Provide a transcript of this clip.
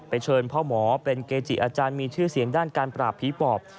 เชิญพ่อหมอเป็นเกจิอาจารย์มีชื่อเสียงด้านการปราบผีปอบ